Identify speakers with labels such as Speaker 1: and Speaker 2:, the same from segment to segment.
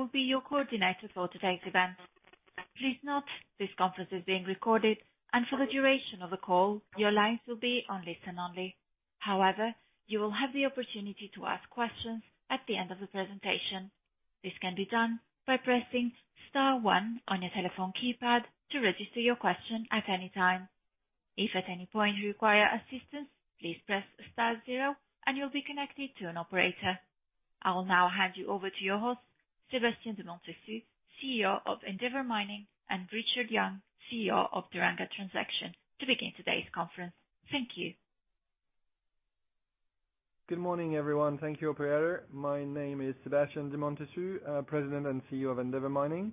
Speaker 1: I will be your coordinator for today's event. Please note this conference is being recorded, and for the duration of the call, your lines will be on listen only. However, you will have the opportunity to ask questions at the end of the presentation. This can be done by pressing star one on your telephone keypad to register your question at any time. If at any point you require assistance, please press star zero and you'll be connected to an operator. I'll now hand you over to your host, Sébastien de Montessus, CEO of Endeavour Mining, and Richard Young, CEO of Teranga Gold, to begin today's conference. Thank you.
Speaker 2: Good morning, everyone. Thank you, operator. My name is Sébastien de Montessus, President and CEO of Endeavour Mining.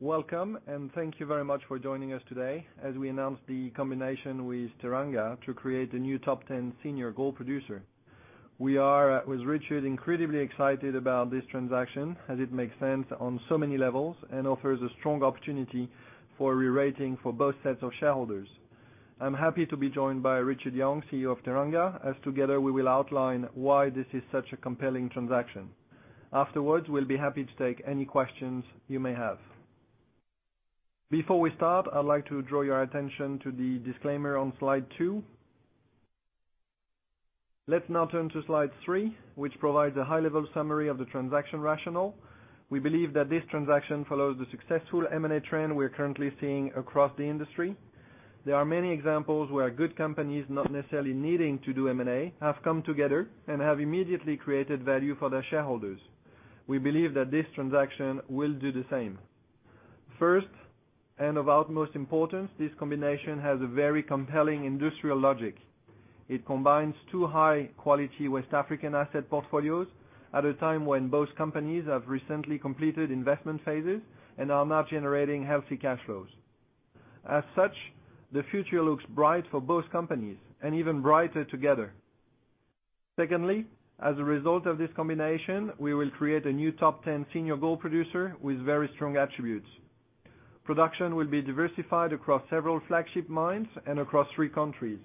Speaker 2: Welcome, thank you very much for joining us today as we announce the combination with Teranga to create a new top 10 senior gold producer. We are, with Richard, incredibly excited about this transaction as it makes sense on so many levels and offers a strong opportunity for re-rating for both sets of shareholders. I'm happy to be joined by Richard Young, CEO of Teranga, as together we will outline why this is such a compelling transaction. Afterwards, we'll be happy to take any questions you may have. Before we start, I'd like to draw your attention to the disclaimer on slide two. Let's now turn to slide three, which provides a high-level summary of the transaction rationale. We believe that this transaction follows the successful M&A trend we're currently seeing across the industry. There are many examples where good companies not necessarily needing to do M&A have come together and have immediately created value for their shareholders. We believe that this transaction will do the same. First, and of utmost importance, this combination has a very compelling industrial logic. It combines two high-quality West African asset portfolios at a time when both companies have recently completed investment phases and are now generating healthy cash flows. As such, the future looks bright for both companies and even brighter together. Secondly, as a result of this combination, we will create a new top 10 senior gold producer with very strong attributes. Production will be diversified across several flagship mines and across three countries.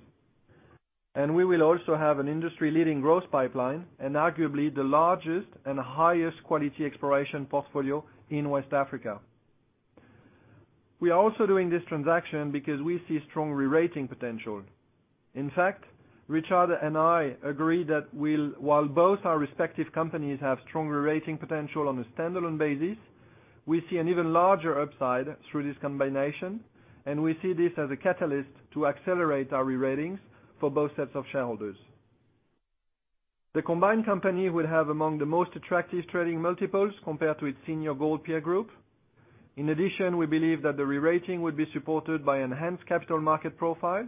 Speaker 2: We will also have an industry-leading growth pipeline and arguably the largest and highest quality exploration portfolio in West Africa. We are also doing this transaction because we see strong re-rating potential. In fact, Richard and I agree that while both our respective companies have strong re-rating potential on a standalone basis, we see an even larger upside through this combination, and we see this as a catalyst to accelerate our re-ratings for both sets of shareholders. The combined company will have among the most attractive trading multiples compared to its senior gold peer group. In addition, we believe that the re-rating would be supported by enhanced capital market profile.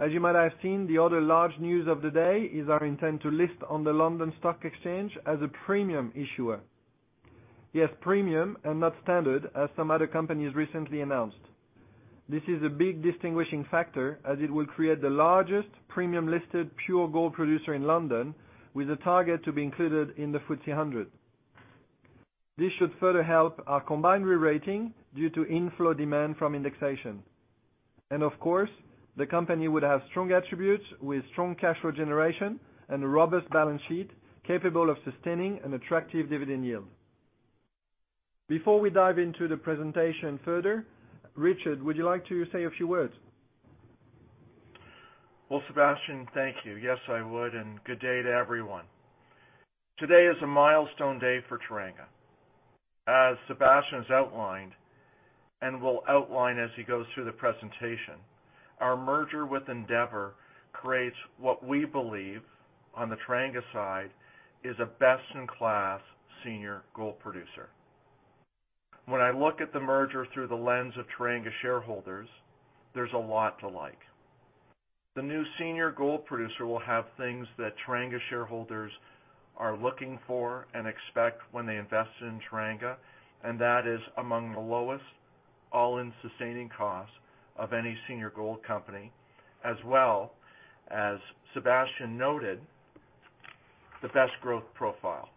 Speaker 2: As you might have seen, the other large news of the day is our intent to list on the London Stock Exchange as a premium issuer. Yes, premium and not standard, as some other companies recently announced. This is a big distinguishing factor as it will create the largest premium-listed pure gold producer in London with a target to be included in the FTSE 100. This should further help our combined re-rating due to inflow demand from indexation. Of course, the company would have strong attributes with strong cash flow generation and a robust balance sheet capable of sustaining an attractive dividend yield. Before we dive into the presentation further, Richard, would you like to say a few words?
Speaker 3: Well, Sébastien, thank you. Yes, I would, and good day to everyone. Today is a milestone day for Teranga. As Sébastien has outlined and will outline as he goes through the presentation, our merger with Endeavour creates what we believe, on the Teranga side, is a best-in-class senior gold producer. When I look at the merger through the lens of Teranga shareholders, there's a lot to like. The new Senior Gold Producer will have things that Teranga shareholders are looking for and expect when they invest in Teranga, and that is among the lowest all-in sustaining costs of any senior gold company, as well as Sébastien noted, the best growth profile.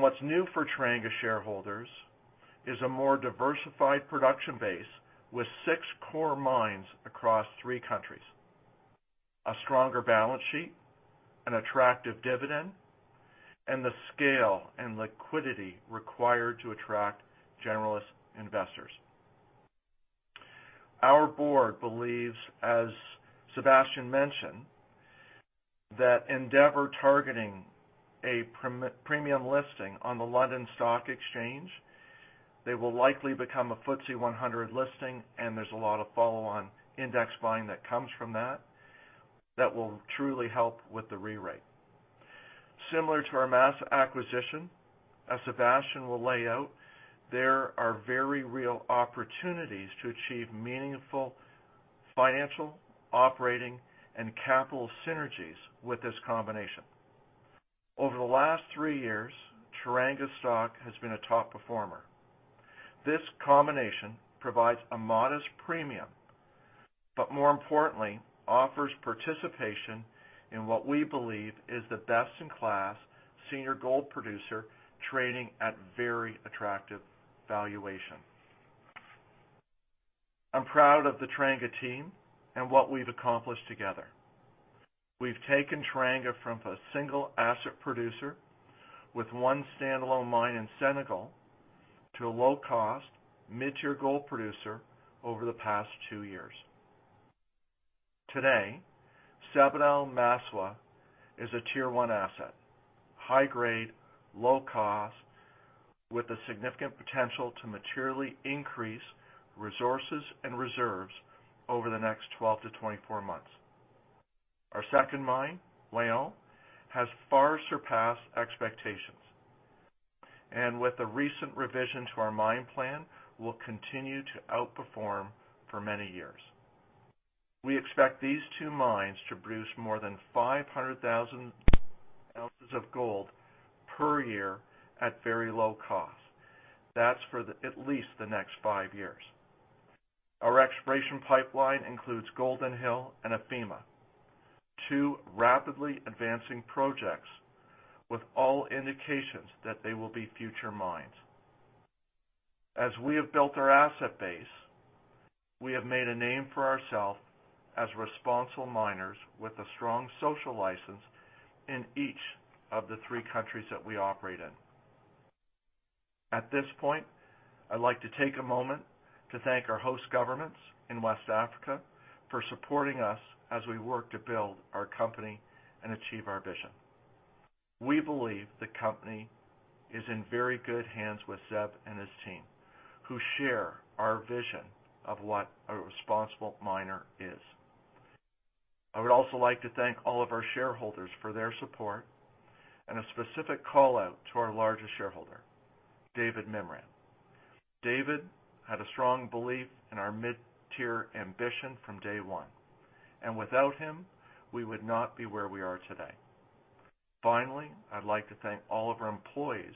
Speaker 3: What's new for Teranga shareholders is a more diversified production base with six core mines across three countries, a stronger balance sheet, an attractive dividend, and the scale and liquidity required to attract generalist investors. Our Board believes, as Sébastien mentioned, that Endeavour targeting a premium listing on the London Stock Exchange, they will likely become a FTSE 100 listing, and there's a lot of follow-on index buying that comes from that that will truly help with the re-rate. Similar to our SEMAFO acquisition, as Sébastien will lay out, there are very real opportunities to achieve meaningful financial, operating, and capital synergies with this combination. Over the last three years, Teranga stock has been a top performer. This combination provides a modest premium, more importantly, offers participation in what we believe is the best-in-class senior gold producer trading at very attractive valuation. I'm proud of the Teranga team and what we've accomplished together. We've taken Teranga from a single asset producer with one standalone mine in Senegal, to a low-cost, mid-tier gold producer over the past two years. Today, Sabodala-Massawa is a tier 1 asset, high grade, low cost, with a significant potential to materially increase resources and reserves over the next 12-24 months. Our second mine, Wahgnion, has far surpassed expectations, and with the recent revision to our mine plan, will continue to outperform for many years. We expect these two mines to produce more than 500,000 ounces of gold per year at very low cost. That's for at least the next five years. Our exploration pipeline includes Golden Hill and Afema, two rapidly advancing projects with all indications that they will be future mines. As we have built our asset base, we have made a name for ourselves as responsible miners with a strong social license in each of the three countries that we operate in. At this point, I'd like to take a moment to thank our host governments in West Africa for supporting us as we work to build our company and achieve our vision. We believe the company is in very good hands with Séb and his team, who share our vision of what a responsible miner is. I would also like to thank all of our shareholders for their support, and a specific call-out to our largest shareholder, David Mimran. David had a strong belief in our mid-tier ambition from day one, and without him, we would not be where we are today. Finally, I'd like to thank all of our employees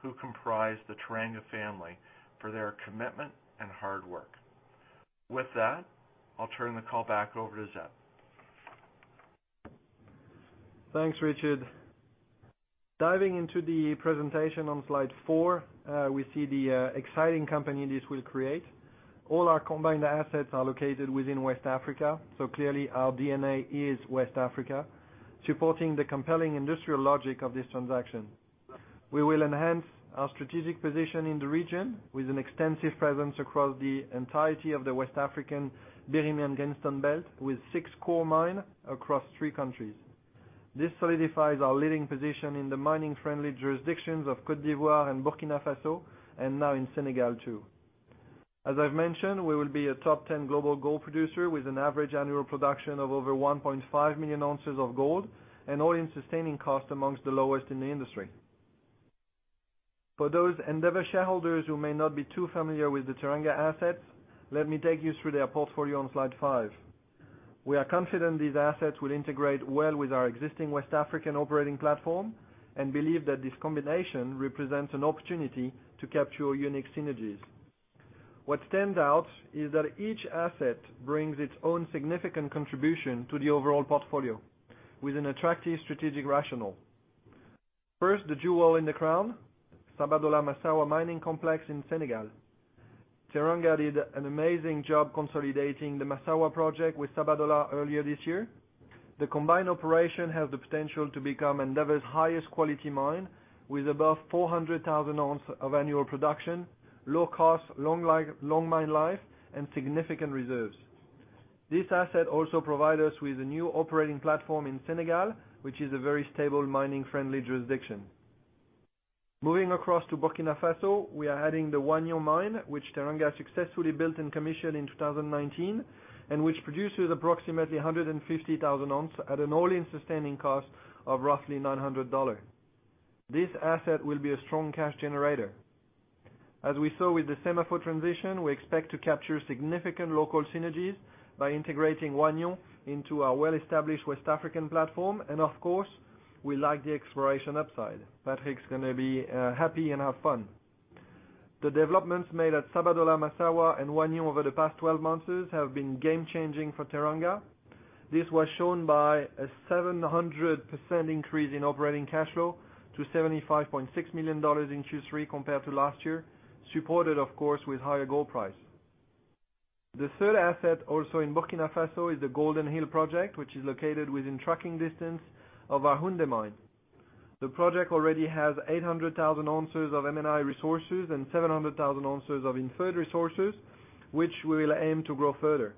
Speaker 3: who comprise the Teranga family for their commitment and hard work. With that, I'll turn the call back over to Séb.
Speaker 2: Thanks, Richard. Diving into the presentation on slide four, we see the exciting company this will create. All our combined assets are located within West Africa, clearly our DNA is West Africa, supporting the compelling industrial logic of this transaction. We will enhance our strategic position in the region with an extensive presence across the entirety of the West African Birimian Greenstone Belt with six core mines across three countries. This solidifies our leading position in the mining-friendly jurisdictions of Côte d'Ivoire and Burkina Faso, now in Senegal too. As I've mentioned, we will be a top 10 global gold producer with an average annual production of over 1.5 million ounces of gold all-in sustaining cost among the lowest in the industry. For those Endeavour Mining shareholders who may not be too familiar with the Teranga Gold Corporation assets, let me take you through their portfolio on slide five. We are confident these assets will integrate well with our existing West African operating platform and believe that this combination represents an opportunity to capture unique synergies. What stands out is that each asset brings its own significant contribution to the overall portfolio with an attractive strategic rationale. First, the jewel in the crown, Sabodala-Massawa mining complex in Senegal. Teranga did an amazing job consolidating the Massawa project with Sabodala earlier this year. The combined operation has the potential to become Endeavour's highest quality mine, with above 400,000 ounce of annual production, low cost, long mine life, and significant reserves. This asset also provide us with a new operating platform in Senegal, which is a very stable, mining friendly jurisdiction. Moving across to Burkina Faso, we are adding the Wahgnion Mine, which Teranga successfully built in commission in 2019, and which produces approximately 150,000 ounce at an all-in sustaining cost of roughly $900. This asset will be a strong cash generator. As we saw with the SEMAFO transition, we expect to capture significant local synergies by integrating Wahgnion into our well-established West African platform, and of course, we like the exploration upside. Patrick's going to be happy and have fun. The developments made at Sabodala-Massawa and Wahgnion over the past 12 months have been game changing for Teranga. This was shown by a 700% increase in operating cash flow to $75.6 million in Q3 compared to last year, supported, of course, with higher gold price. The third asset, also in Burkina Faso, is the Golden Hill project, which is located within trucking distance of our Houndé mine. The project already has 800,000 ounces of M&I resources and 700,000 ounces of inferred resources, which we will aim to grow further.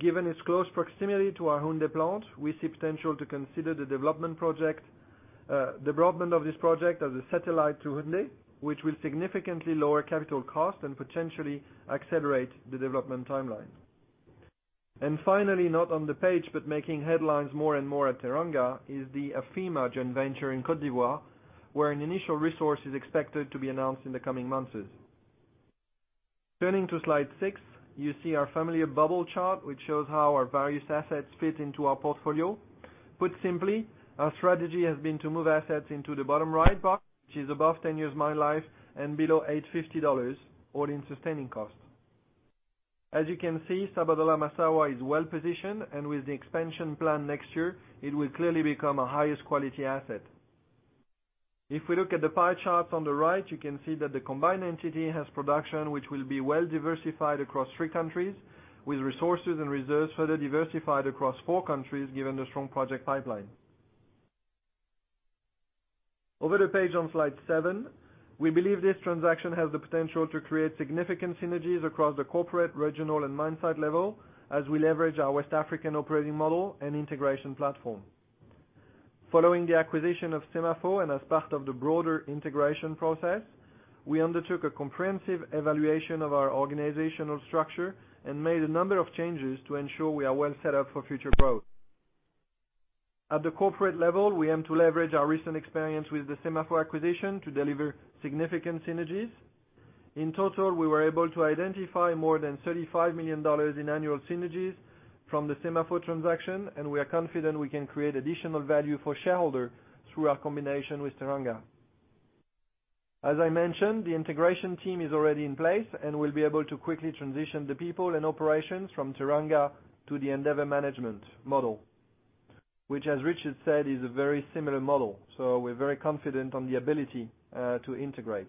Speaker 2: Given its close proximity to our Houndé plant, we see potential to consider the development of this project as a satellite to Houndé, which will significantly lower capital cost and potentially accelerate the development timeline. Finally, not on the page, but making headlines more and more at Teranga is the Afema joint venture in Côte d'Ivoire, where an initial resource is expected to be announced in the coming months. Turning to slide six, you see our familiar bubble chart, which shows how our various assets fit into our portfolio. Put simply, our strategy has been to move assets into the bottom right box, which is above 10 years mine life and below $850 all-in sustaining cost. As you can see, Sabodala-Massawa is well-positioned, and with the expansion plan next year, it will clearly become our highest quality asset. If we look at the pie charts on the right, you can see that the combined entity has production, which will be well diversified across three countries with resources and reserves further diversified across four countries, given the strong project pipeline. Over to the page on slide seven. We believe this transaction has the potential to create significant synergies across the corporate, regional, and mine site level as we leverage our West African operating model and integration platform. Following the acquisition of SEMAFO and as part of the broader integration process, we undertook a comprehensive evaluation of our organizational structure and made a number of changes to ensure we are well set up for future growth. At the corporate level, we aim to leverage our recent experience with the SEMAFO acquisition to deliver significant synergies. In total, we were able to identify more than $35 million in annual synergies from the SEMAFO transaction, and we are confident we can create additional value for shareholders through our combination with Teranga. As I mentioned, the integration team is already in place and will be able to quickly transition the people and operations from Teranga to the Endeavour management model, which, as Richard said, is a very similar model. We're very confident on the ability to integrate.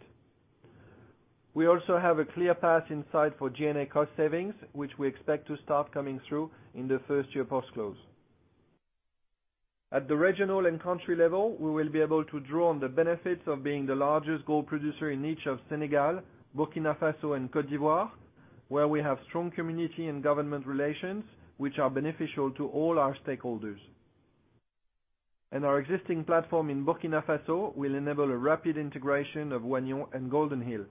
Speaker 2: We also have a clear path in sight for G&A cost savings, which we expect to start coming through in the first year post-close. At the regional and country level, we will be able to draw on the benefits of being the largest gold producer in each of Senegal, Burkina Faso, and Côte d'Ivoire, where we have strong community and government relations, which are beneficial to all our stakeholders. Our existing platform in Burkina Faso will enable a rapid integration of Wahgnion and Golden Hill.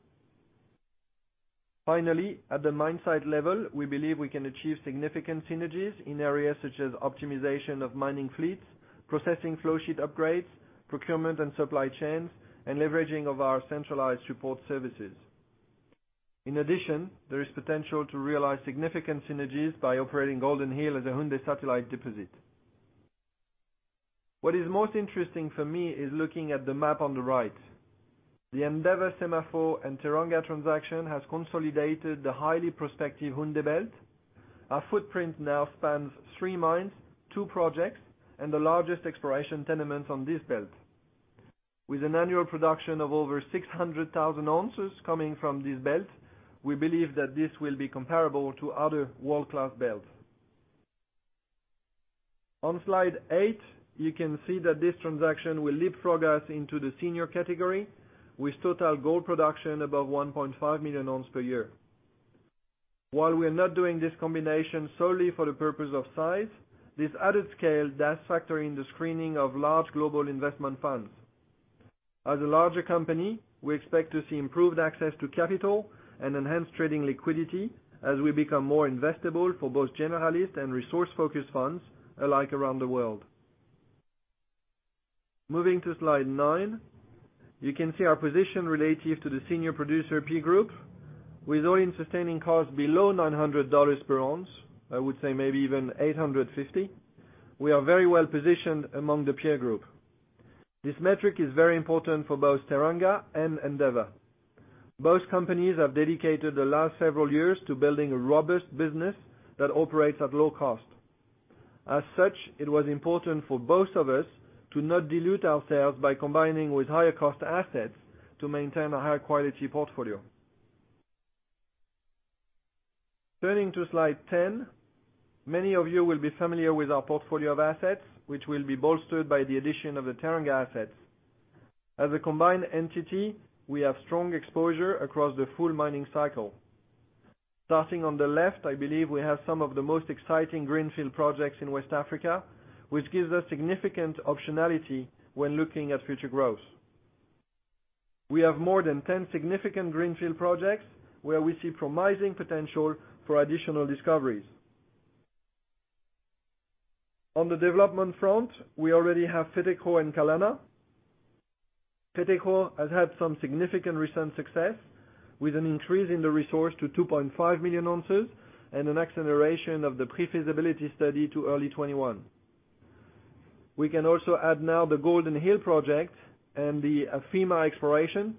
Speaker 2: Finally, at the mine site level, we believe we can achieve significant synergies in areas such as optimization of mining fleets, processing flow sheet upgrades, procurement and supply chains, and leveraging of our centralized support services. In addition, there is potential to realize significant synergies by operating Golden Hill as a Houndé satellite deposit. What is most interesting for me is looking at the map on the right. The Endeavour, SEMAFO, and Teranga transaction has consolidated the highly prospective Houndé belt. Our footprint now spans three mines, two projects, and the largest exploration tenement on this belt. With an annual production of over 600,000 ounces coming from this belt, we believe that this will be comparable to other world-class belts. On slide eight, you can see that this transaction will leapfrog us into the senior category with total gold production above 1.5 million ounces per year. While we are not doing this combination solely for the purpose of size, this added scale does factor in the screening of large global investment funds. As a larger company, we expect to see improved access to capital and enhanced trading liquidity as we become more investable for both generalist and resource-focused funds alike around the world. Moving to slide nine. You can see our position relative to the senior producer peer group. With all-in sustaining costs below $900 per ounce, I would say maybe even $850, we are very well positioned among the peer group. This metric is very important for both Teranga and Endeavour. Both companies have dedicated the last several years to building a robust business that operates at low cost. As such, it was important for both of us to not dilute ourselves by combining with higher cost assets to maintain a high-quality portfolio. Turning to slide 10. Many of you will be familiar with our portfolio of assets, which will be bolstered by the addition of the Teranga assets. As a combined entity, we have strong exposure across the full mining cycle. Starting on the left, I believe we have some of the most exciting greenfield projects in West Africa, which gives us significant optionality when looking at future growth. We have more than 10 significant greenfield projects where we see promising potential for additional discoveries. On the development front, we already have Fetekro and Kalana. Fetekro has had some significant recent success with an increase in the resource to 2.5 million ounces and an acceleration of the pre-feasibility study to early 2021. We can also add now the Golden Hill project and the Afema exploration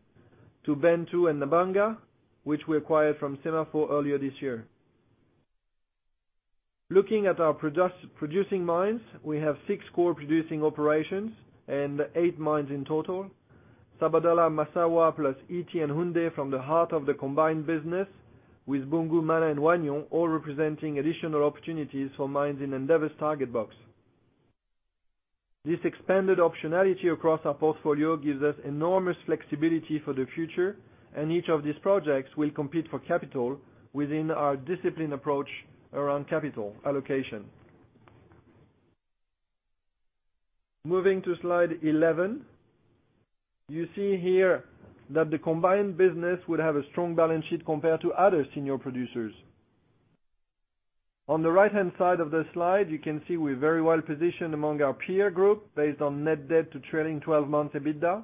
Speaker 2: to Bantou and Nabanga, which we acquired from SEMAFO earlier this year. Looking at our producing mines, we have six core producing operations and eight mines in total. Sabodala-Massawa, plus Ity and Houndé from the heart of the combined business with Boungou, Mana and Wahgnion, all representing additional opportunities for mines in Endeavour's target box. This expanded optionality across our portfolio gives us enormous flexibility for the future, and each of these projects will compete for capital within our disciplined approach around capital allocation. Moving to slide 11. You see here that the combined business would have a strong balance sheet compared to other senior producers. On the right-hand side of the slide, you can see we're very well positioned among our peer group based on net debt to trailing 12 months EBITDA.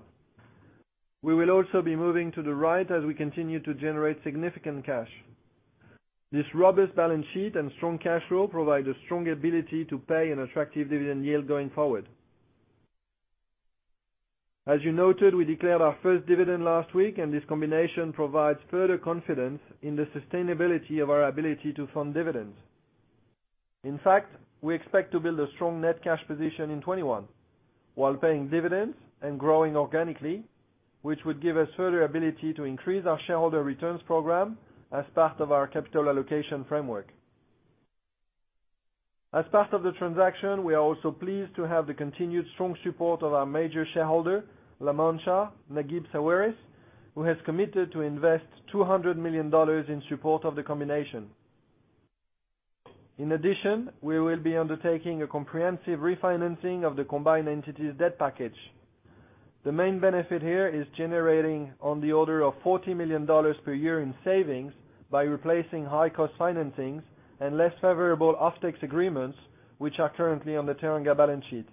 Speaker 2: We will also be moving to the right as we continue to generate significant cash. This robust balance sheet and strong cash flow provide a strong ability to pay an attractive dividend yield going forward. As you noted, we declared our first dividend last week, and this combination provides further confidence in the sustainability of our ability to fund dividends. In fact, we expect to build a strong net cash position in 2021 while paying dividends and growing organically, which would give us further ability to increase our shareholder returns program as part of our capital allocation framework. As part of the transaction, we are also pleased to have the continued strong support of our major shareholder, La Mancha, Naguib Sawiris, who has committed to invest $200 million in support of the combination. In addition, we will be undertaking a comprehensive refinancing of the combined entity's debt package. The main benefit here is generating on the order of $40 million per year in savings by replacing high-cost financings and less favorable offtake agreements, which are currently on the Teranga balance sheet.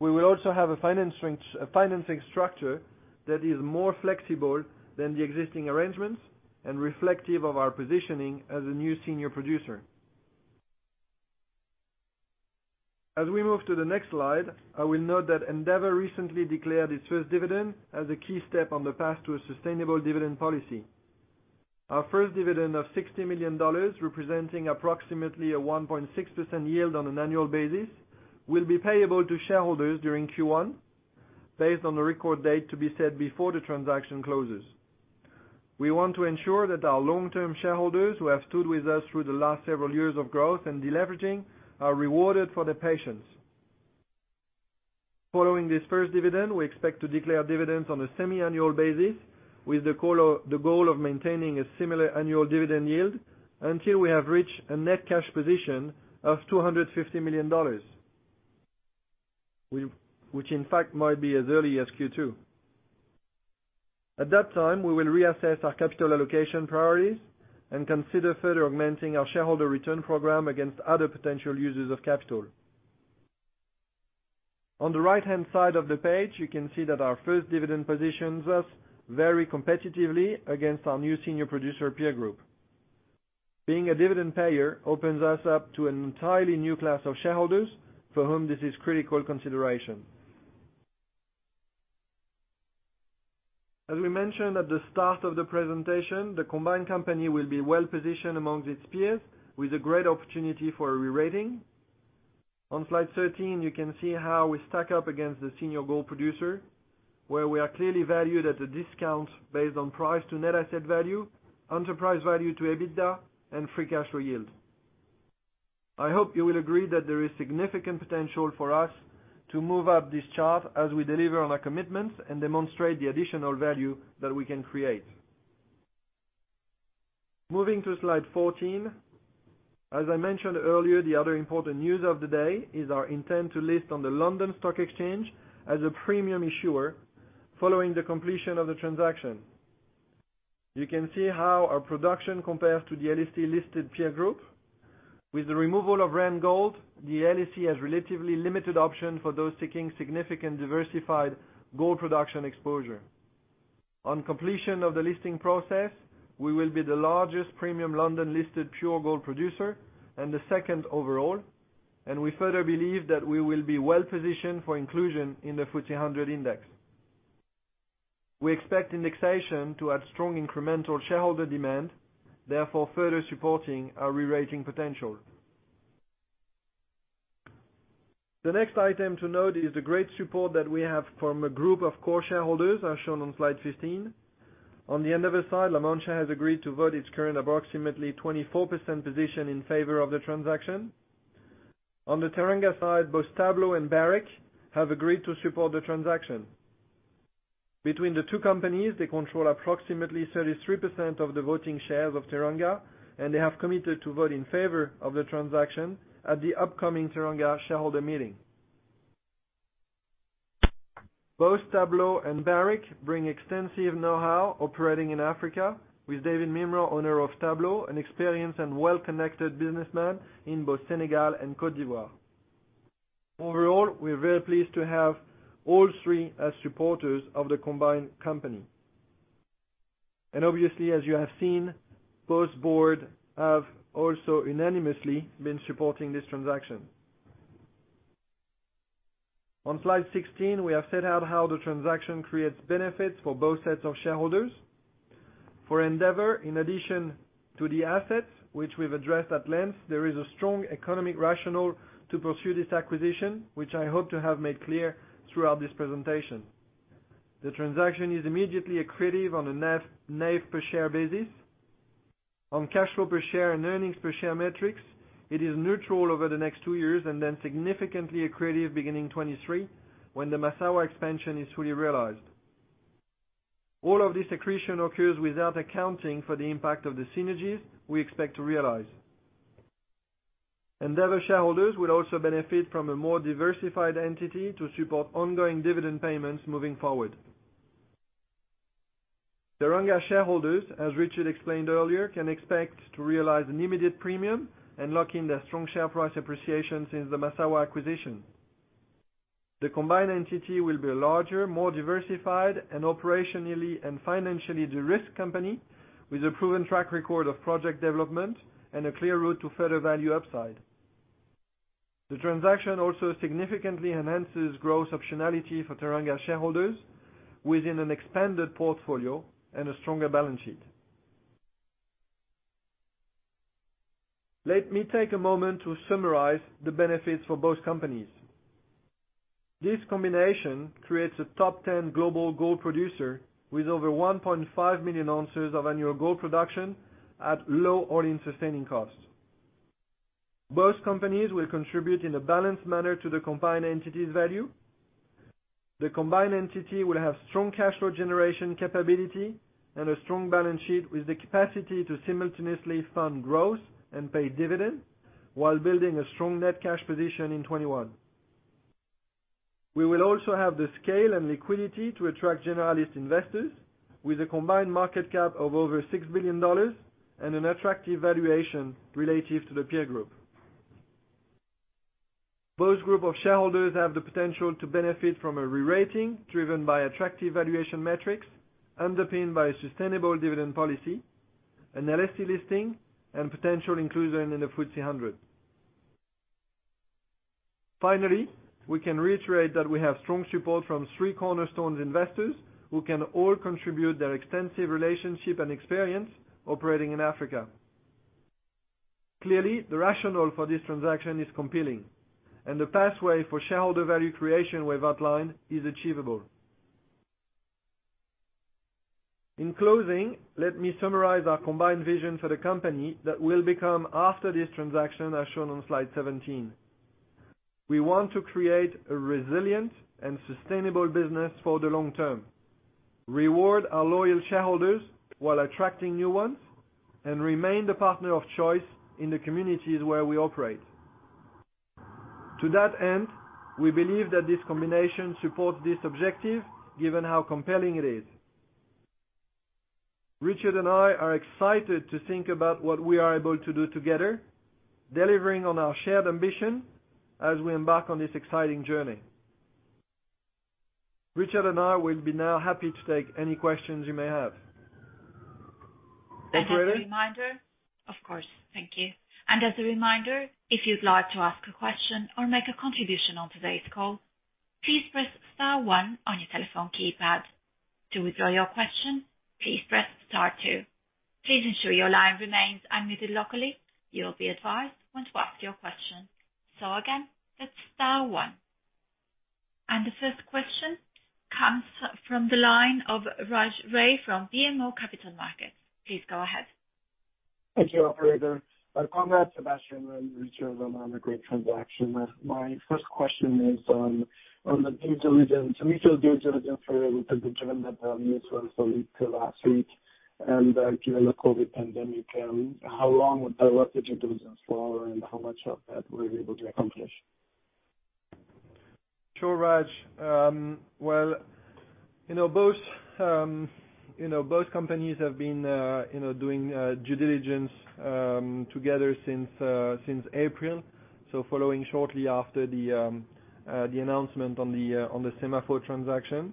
Speaker 2: We will also have a financing structure that is more flexible than the existing arrangements and reflective of our positioning as a new Senior Producer. As we move to the next slide, I will note that Endeavour recently declared its first dividend as a key step on the path to a sustainable dividend policy. Our first dividend of $60 million, representing approximately a 1.6% yield on an annual basis, will be payable to shareholders during Q1, based on the record date to be set before the transaction closes. We want to ensure that our long-term shareholders who have stood with us through the last several years of growth and deleveraging are rewarded for their patience. Following this first dividend, we expect to declare dividends on a semi-annual basis, with the goal of maintaining a similar annual dividend yield until we have reached a net cash position of $250 million, which in fact might be as early as Q2. At that time, we will reassess our capital allocation priorities and consider further augmenting our shareholder return program against other potential uses of capital. On the right-hand side of the page, you can see that our first dividend positions us very competitively against our new senior producer peer group. Being a dividend payer opens us up to an entirely new class of shareholders for whom this is critical consideration. As we mentioned at the start of the presentation, the combined company will be well-positioned amongst its peers with a great opportunity for a rerating. On slide 13, you can see how we stack up against the senior gold producer, where we are clearly valued at a discount based on price to net asset value, enterprise value to EBITDA, and free cash flow yield. I hope you will agree that there is significant potential for us to move up this chart as we deliver on our commitments and demonstrate the additional value that we can create. Moving to slide 14, as I mentioned earlier, the other important news of the day is our intent to list on the London Stock Exchange as a premium issuer following the completion of the transaction. You can see how our production compares to the LSE-listed peer group. With the removal of Randgold, the LSE has relatively limited option for those seeking significant diversified gold production exposure. On completion of the listing process, we will be the largest premium London-listed pure gold producer and the second overall, and we further believe that we will be well-positioned for inclusion in the FTSE 100 Index. We expect indexation to add strong incremental shareholder demand, therefore, further supporting our rerating potential. The next item to note is the great support that we have from a group of core shareholders, as shown on slide 15. On the Endeavour side, La Mancha has agreed to vote its current approximately 24% position in favor of the transaction. On the Teranga side, both Tablo and Barrick have agreed to support the transaction. Between the two companies, they control approximately 33% of the voting shares of Teranga, and they have committed to vote in favor of the transaction at the upcoming Teranga shareholder meeting. Both Tablo and Barrick bring extensive know-how operating in Africa with David Mimran, owner of Tablo, an experienced and well-connected businessman in both Senegal and Côte d'Ivoire. Overall, we're very pleased to have all three as supporters of the combined company. Obviously, as you have seen, both boards have also unanimously been supporting this transaction. On slide 16, we have set out how the transaction creates benefits for both sets of shareholders. For Endeavour, in addition to the assets which we've addressed at length, there is a strong economic rationale to pursue this acquisition, which I hope to have made clear throughout this presentation. The transaction is immediately accretive on a NAV per share basis. On cash flow per share and earnings per share metrics, it is neutral over the next two years and then significantly accretive beginning 2023, when the Massawa expansion is fully realized. All of this accretion occurs without accounting for the impact of the synergies we expect to realize. Endeavour shareholders will also benefit from a more diversified entity to support ongoing dividend payments moving forward. Teranga shareholders, as Richard explained earlier, can expect to realize an immediate premium and lock in their strong share price appreciation since the Massawa acquisition. The combined entity will be a larger, more diversified, and operationally and financially de-risked company with a proven track record of project development and a clear route to further value upside. The transaction also significantly enhances growth optionality for Teranga shareholders within an expanded portfolio and a stronger balance sheet. Let me take a moment to summarize the benefits for both companies. This combination creates a top 10 global gold producer with over 1.5 million ounces of annual gold production at low all-in sustaining costs. Both companies will contribute in a balanced manner to the combined entity's value. The combined entity will have strong cash flow generation capability and a strong balance sheet with the capacity to simultaneously fund growth and pay dividends while building a strong net cash position in 2021. We will also have the scale and liquidity to attract generalist investors with a combined market cap of over $6 billion and an attractive valuation relative to the peer group. Both group of shareholders have the potential to benefit from a re-rating driven by attractive valuation metrics underpinned by a sustainable dividend policy, an LSE listing, and potential inclusion in the FTSE 100. Finally, we can reiterate that we have strong support from three cornerstone investors who can all contribute their extensive relationship and experience operating in Africa. Clearly, the rationale for this transaction is compelling, and the pathway for shareholder value creation we've outlined is achievable. In closing, let me summarize our combined vision for the company that will become after this transaction, as shown on slide 17. We want to create a resilient and sustainable business for the long term, reward our loyal shareholders while attracting new ones, and remain the partner of choice in the communities where we operate. To that end, we believe that this combination supports this objective, given how compelling it is. Richard and I are excited to think about what we are able to do together, delivering on our shared ambition as we embark on this exciting journey. Richard and I will be now happy to take any questions you may have. Operator?
Speaker 1: As a reminder. Of course. Thank you. As a reminder, if you'd like to ask a question or make a contribution on today's call, please press star one on your telephone keypad. To withdraw your question, please press star two. Please ensure your line remains unmuted locally. You'll be advised when to ask your question. So again, that's star one. The first question comes from the line of Raj Ray from BMO Capital Markets. Please go ahead.
Speaker 4: Thank you, operator. My congrats, Sébastien and Richard, on a great transaction. My first question is on the due diligence, mutual due diligence period with the joint news release early last week and given the COVID pandemic, how long would the due diligence for and how much of that were you able to accomplish?
Speaker 2: Sure, Raj. Both companies have been doing due diligence together since April, following shortly after the announcement on the SEMAFO transaction.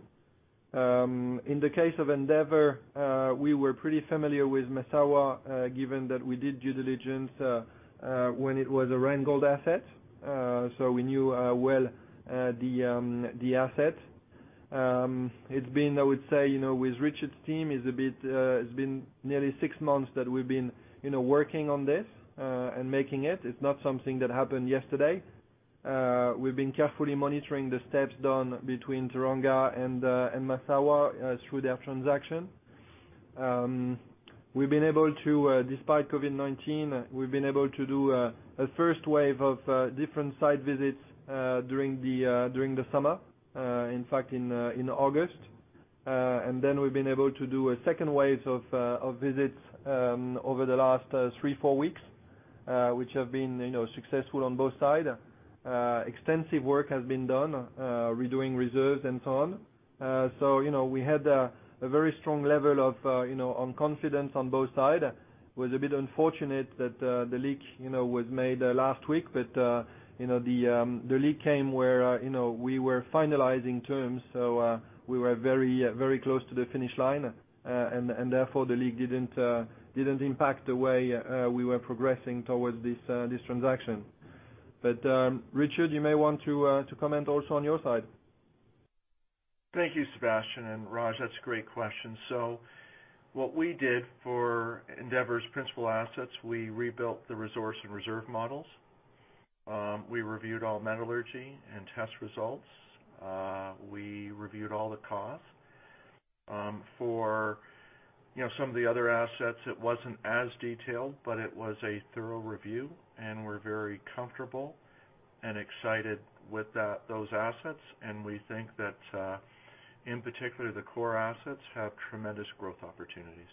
Speaker 2: In the case of Endeavour, we were pretty familiar with Massawa, given that we did due diligence when it was a Randgold asset. We knew well the asset. It's been, I would say, with Richard's team it's been nearly 6 months that we've been working on this and making it. It's not something that happened yesterday. We've been carefully monitoring the steps done between Teranga and Massawa through their transaction. Despite COVID-19, we've been able to do a first wave of different site visits during the summer. In fact, in August. We've been able to do a second wave of visits over the last three, four weeks which have been successful on both sides. Extensive work has been done redoing reserves and so on. We had a very strong level of confidence on both sides. It was a bit unfortunate that the leak was made last week. The leak came where we were finalizing terms, we were very close to the finish line, therefore the leak didn't impact the way we were progressing towards this transaction. Richard, you may want to comment also on your side.
Speaker 3: Thank you, Sébastien, and Raj, that's a great question. What we did for Endeavour's principal assets, we rebuilt the resource and reserve models. We reviewed all metallurgy and test results. We reviewed all the costs. For some of the other assets, it wasn't as detailed, but it was a thorough review, and we're very comfortable and excited with those assets. We think that, in particular, the core assets have tremendous growth opportunities.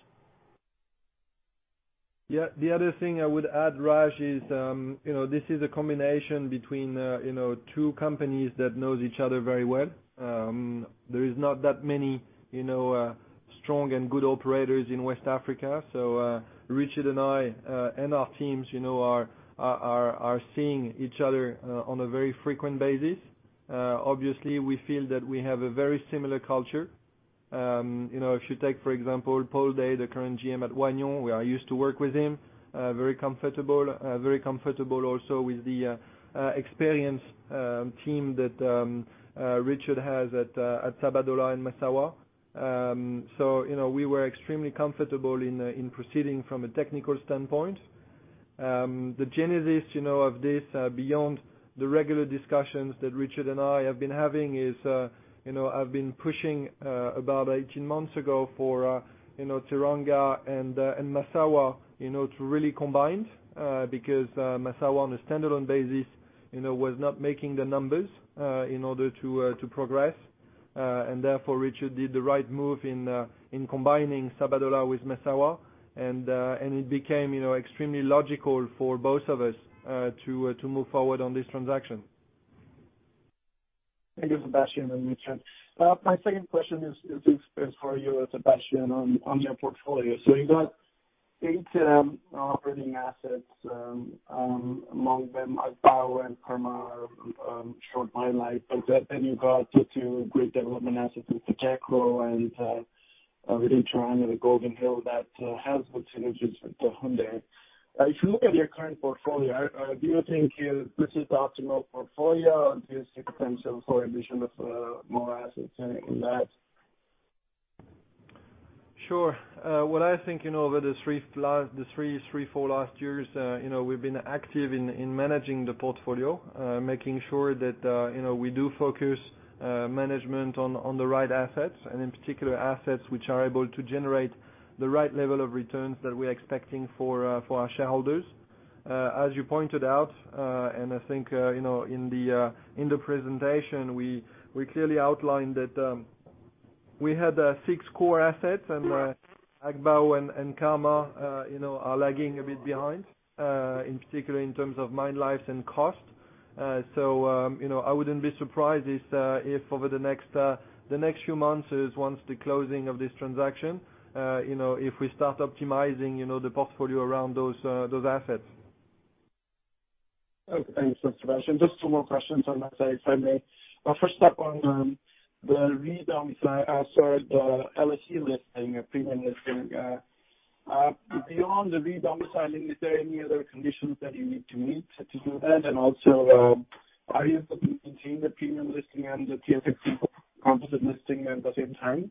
Speaker 2: Yeah. The other thing I would add, Raj, is this is a combination between two companies that know each other very well. There is not that many strong and good operators in West Africa. Richard and I and our teams are seeing each other on a very frequent basis. Obviously, we feel that we have a very similar culture. If you take, for example, Paul Day, the current GM at Wahgnion, we are used to work with him. Very comfortable. Very comfortable also with the experienced team that Richard has at Sabodala-Massawa. We were extremely comfortable in proceeding from a technical standpoint. The genesis of this, beyond the regular discussions that Richard and I have been having is, I've been pushing about 18 months ago for Teranga and Massawa to really combine, because Massawa, on a standalone basis was not making the numbers in order to progress. Therefore, Richard did the right move in combining Sabodala with Massawa, and it became extremely logical for both of us to move forward on this transaction.
Speaker 4: Thank you, Sébastien and Richard. My second question is for you, Sébastien, on your portfolio. You got eight operating assets, among them Agbaou and Karma are short mine life. You've got two great development assets with SEMAFO and Teranga, the Golden Hill that has good synergies with the Houndé. If you look at your current portfolio, do you think this is the optimal portfolio or do you see potential for addition of more assets in that?
Speaker 2: Sure. What I think over the three, four last years, we've been active in managing the portfolio, making sure that we do focus management on the right assets and in particular assets which are able to generate the right level of returns that we're expecting for our shareholders. As you pointed out, and I think in the presentation, we clearly outlined that we had six core assets and Agbaou and Karma are lagging a bit behind, in particular in terms of mine lives and cost. I wouldn't be surprised if over the next few months is once the closing of this transaction, if we start optimizing the portfolio around those assets.
Speaker 4: Okay. Thanks, Sébastien. Just two more questions on that side, if I may. First up on the re-domicile, sorry, the LSE listing, premium listing. Beyond the re-domiciling, is there any other conditions that you need to meet to do that? Are you looking to maintain the premium listing and the TSX composite listing at the same time?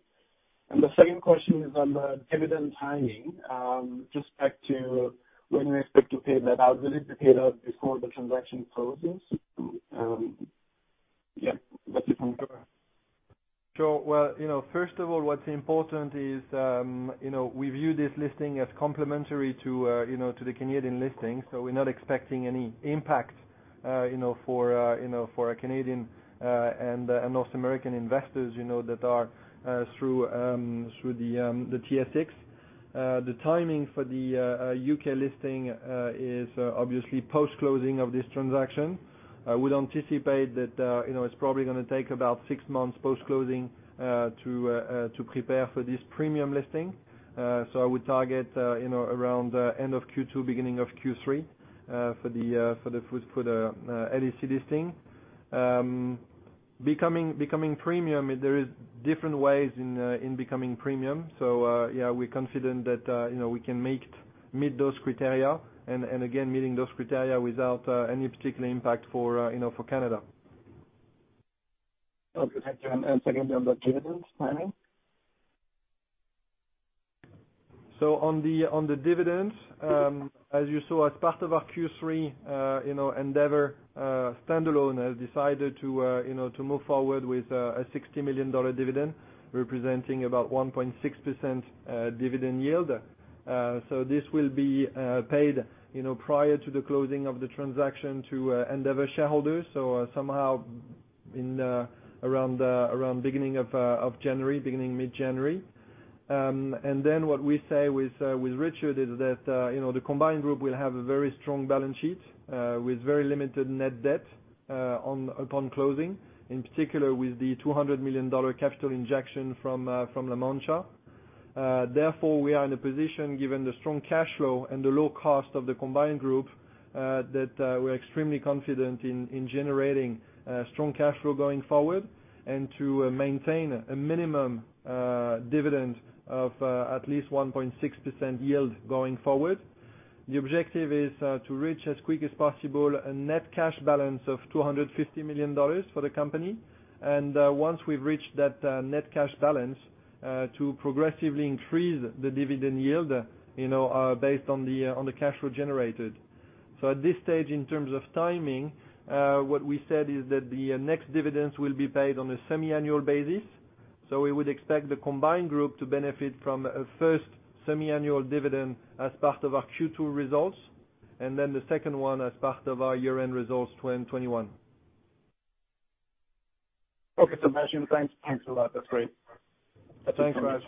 Speaker 4: The second question is on the dividend timing, just back to when you expect to pay that out. Will it be paid out before the transaction closes? Yeah, that's it from me.
Speaker 2: Sure. Well, first of all, what's important is, we view this listing as complementary to the Canadian listing. We're not expecting any impact for our Canadian and North American investors that are through the TSX. The timing for the U.K. listing is obviously post-closing of this transaction. I would anticipate that it's probably going to take about 6 months post-closing to prepare for this premium listing. I would target around end of Q2, beginning of Q3 for the LSE listing. Becoming premium, there is different ways in becoming premium. Yeah, we're confident that we can meet those criteria, and again, meeting those criteria without any particular impact for Canada.
Speaker 4: Okay, thank you. Secondly, on the dividends timing.
Speaker 2: On the dividends, as you saw as part of our Q3, Endeavour standalone has decided to move forward with a $60 million dividend, representing about 1.6% dividend yield. This will be paid prior to the closing of the transaction to Endeavour shareholders. Somehow around beginning of January, beginning mid-January. Then what we say with Richard is that the combined group will have a very strong balance sheet with very limited net debt upon closing, in particular with the $200 million capital injection from La Mancha. We are in a position, given the strong cash flow and the low cost of the combined group, that we're extremely confident in generating strong cash flow going forward and to maintain a minimum dividend of at least 1.6% yield going forward. The objective is to reach, as quick as possible, a net cash balance of $250 million for the company. Once we've reached that net cash balance, to progressively increase the dividend yield based on the cash flow generated. At this stage, in terms of timing, what we said is that the next dividends will be paid on a semi-annual basis. We would expect the combined group to benefit from a first semi-annual dividend as part of our Q2 results, and then the second one as part of our year-end results 2021.
Speaker 4: Okay, Sébastien. Thanks a lot. That's great.
Speaker 2: Thanks, Raj.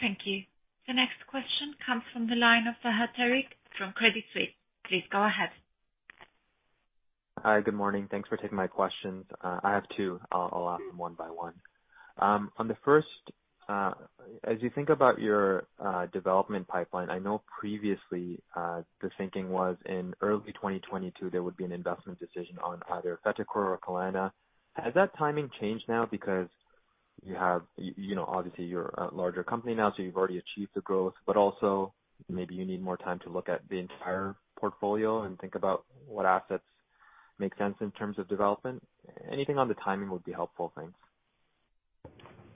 Speaker 1: Thank you. The next question comes from the line of Fahad Tariq from Credit Suisse. Please go ahead.
Speaker 5: Hi, good morning. Thanks for taking my questions. I have two. I'll ask them one by one. As you think about your development pipeline, I know previously, the thinking was in early 2022, there would be an investment decision on either Fetekro or Kalana. Has that timing changed now because obviously you're a larger company now, so you've already achieved the growth, but also maybe you need more time to look at the entire portfolio and think about what assets make sense in terms of development? Anything on the timing would be helpful. Thanks.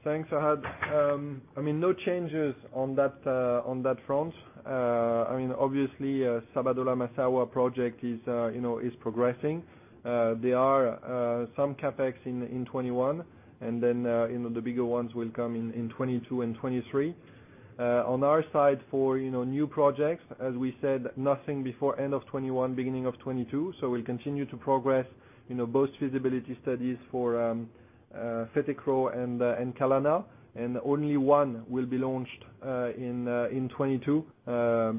Speaker 2: Thanks, Fahad. No changes on that front. Obviously, Sabodala-Massawa project is progressing. There are some CapEx in 2021, and then the bigger ones will come in 2022 and 2023. On our side for new projects, as we said, nothing before end of 2021, beginning of 2022. We'll continue to progress both feasibility studies for Fetekro and Kalana. Only one will be launched in 2022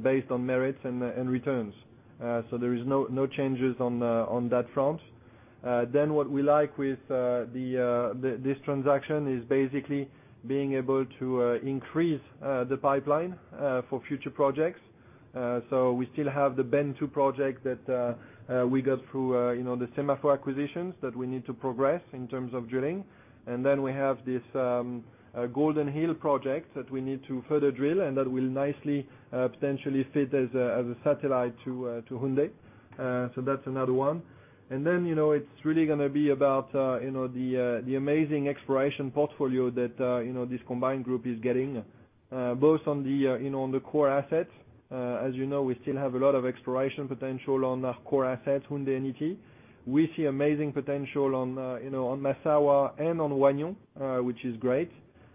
Speaker 2: based on merits and returns. There is no changes on that front. What we like with this transaction is basically being able to increase the pipeline for future projects. We still have the Bantou project that we got through the SEMAFO acquisitions that we need to progress in terms of drilling. We have this Golden Hill project that we need to further drill, and that will nicely potentially fit as a satellite to Houndé. That's another one. It's really going to be about the amazing exploration portfolio that this combined group is getting, both on the core assets. You know, we still have a lot of exploration potential on our core assets, Houndé and Ity. We see amazing potential on Massawa and on Wahgnion, which is great.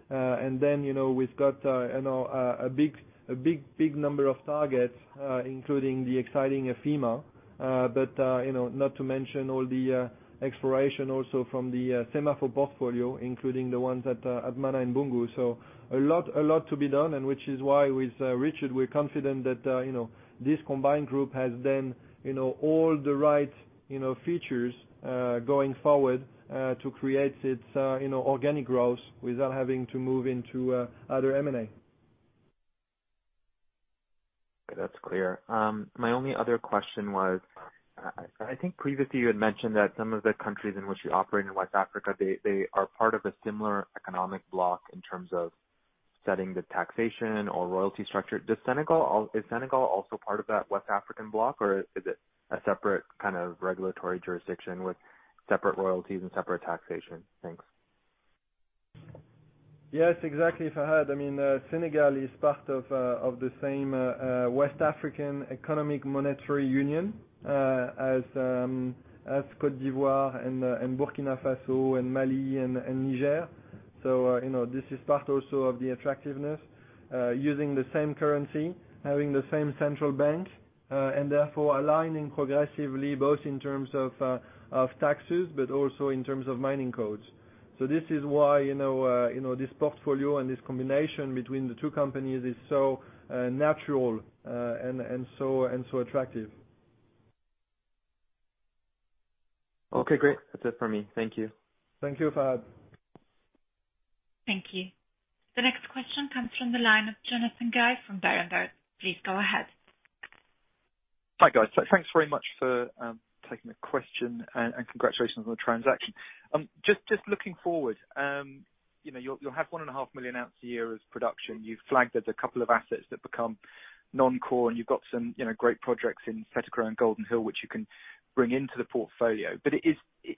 Speaker 2: We've got a big number of targets, including the exciting Afema, but not to mention all the exploration also from the SEMAFO portfolio, including the ones at Mana and Boungou. A lot to be done, and which is why with Richard, we're confident that this combined group has then all the right features going forward to create its organic growth without having to move into other M&A.
Speaker 5: That's clear. My only other question was, I think previously you had mentioned that some of the countries in which you operate in West Africa, they are part of a similar economic bloc in terms of setting the taxation or royalty structure. Is Senegal also part of that West African bloc, or is it a separate kind of regulatory jurisdiction with separate royalties and separate taxation? Thanks.
Speaker 2: Yes, exactly, Fahad. Senegal is part of the same West African Economic and Monetary Union, as Côte d'Ivoire and Burkina Faso and Mali and Niger. This is part also of the attractiveness. Using the same currency, having the same central bank, and therefore aligning progressively both in terms of taxes, but also in terms of mining codes. This is why this portfolio and this combination between the two companies is so natural and so attractive.
Speaker 5: Okay, great. That's it for me. Thank you.
Speaker 2: Thank you, Fahad.
Speaker 1: Thank you. The next question comes from the line of Jonathan Guy from Berenberg. Please go ahead.
Speaker 6: Hi, guys. Thanks very much for taking the question, and congratulations on the transaction. Just looking forward, you'll have 1.5 million ounce a year as production. You've flagged as a couple of assets that become non-core, and you've got some great projects in Fetekro and Golden Hill, which you can bring into the portfolio.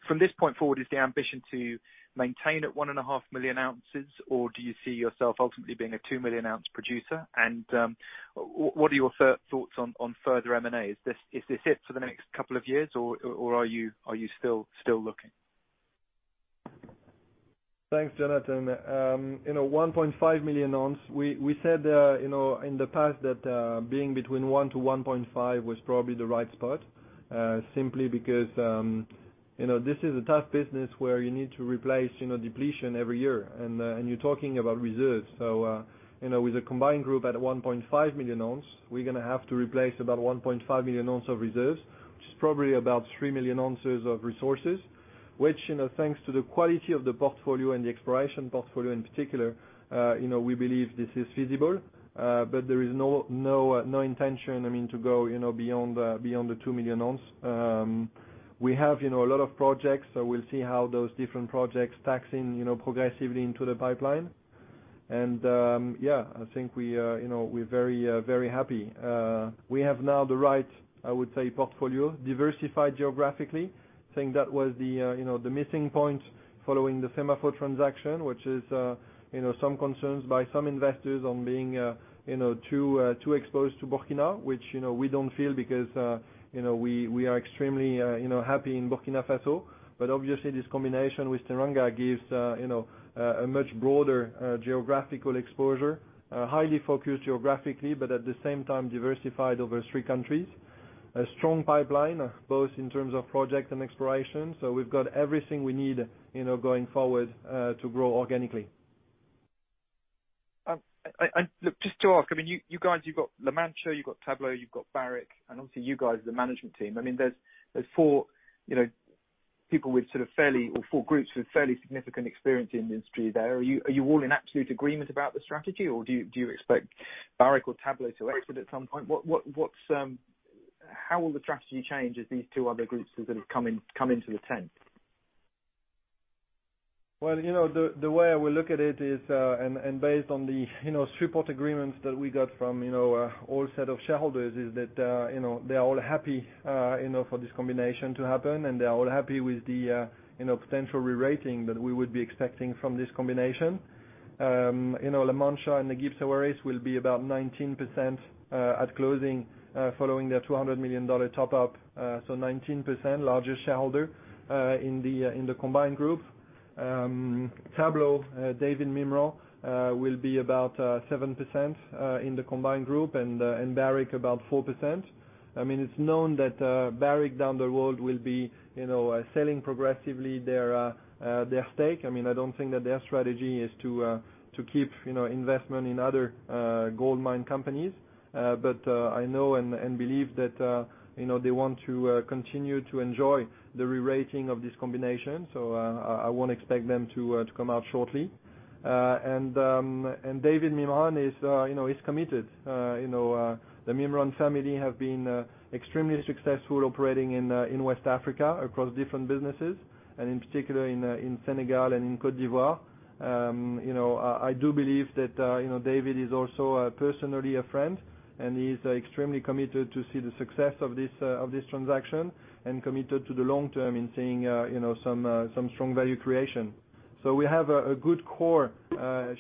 Speaker 6: From this point forward, is the ambition to maintain at 1.5 million ounces, or do you see yourself ultimately being a 2 million ounce producer? What are your thoughts on further M&As? Is this it for the next couple of years, or are you still looking?
Speaker 2: Thanks, Jonathan. 1.5 million ounces, we said in the past that being between one to 1.5 was probably the right spot, simply because this is a tough business where you need to replace depletion every year, and you're talking about reserves. With a combined group at 1.5 million ounces, we're going to have to replace about 1.5 million ounces of reserves, which is probably about 3 million ounces of resources. Which, thanks to the quality of the portfolio and the exploration portfolio in particular, we believe this is feasible. There is no intention to go beyond the 2 million ounces. We have a lot of projects, so we'll see how those different projects factor in progressively into the pipeline. Yeah, I think we're very happy. We have now the right, I would say, portfolio, diversified geographically. Think that was the missing point following the SEMAFO transaction, which is some concerns by some investors on being too exposed to Burkina, which we don't feel because we are extremely happy in Burkina Faso. Obviously, this combination with Teranga gives a much broader geographical exposure. Highly focused geographically, but at the same time diversified over three countries. A strong pipeline, both in terms of project and exploration. We've got everything we need going forward to grow organically.
Speaker 6: Look, just to ask, you guys, you've got La Mancha, you've got Tablo, you've got Barrick, and obviously you guys, the management team. There's four people with fairly or four groups with fairly significant experience in the industry there. Are you all in absolute agreement about the strategy, or do you expect Barrick or Tablo to exit at some point? How will the strategy change as these two other groups have come into the tent?
Speaker 2: Well, the way I will look at it is, and based on the support agreements that we got from all set of shareholders, is that they are all happy for this combination to happen, and they are all happy with the potential rerating that we would be expecting from this combination. La Mancha and the G Mining Ventures will be about 19% at closing, following their $200 million top-up. 19% largest shareholder in the combined group. Tablo, David Mimran, will be about 7% in the combined group, and Barrick about 4%. It's known that Barrick down the road will be selling progressively their stake. I don't think that their strategy is to keep investment in other gold mine companies. I know and believe that they want to continue to enjoy the rerating of this combination. I won't expect them to come out shortly. David Mimran is committed. The Mimran family have been extremely successful operating in West Africa across different businesses, and in particular in Senegal and in Côte d'Ivoire. I do believe that David is also personally a friend, and he's extremely committed to see the success of this transaction and committed to the long term in seeing some strong value creation. We have a good core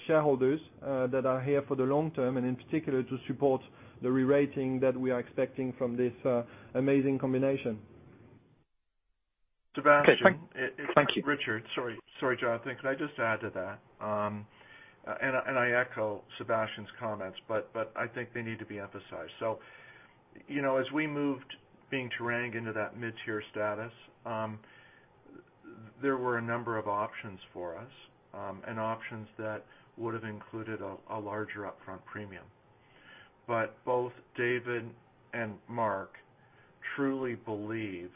Speaker 2: shareholders that are here for the long term, and in particular to support the rerating that we are expecting from this amazing combination.
Speaker 6: Okay, thank you.
Speaker 3: Sorry, Jonathan. Could I just add to that? I echo Sébastien's comments, but I think they need to be emphasized. As we moved being Teranga into that mid-tier status, there were a number of options for us, and options that would have included a larger upfront premium. Both David and Mark truly believed